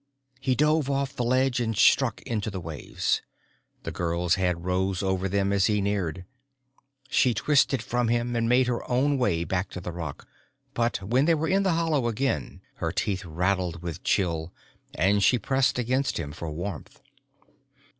He dove off the ledge and struck into the waves. The girl's head rose over them as he neared. She twisted from him and made her own way back to the rock. But when they were in the hollow again her teeth rattled with chill and she pressed against him for warmth.